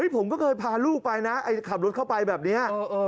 ผมก็เคยพาลูกไปนะขับรถเข้าไปแบบนี้